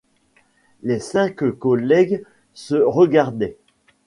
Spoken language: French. Les cinq collègues se regardaient.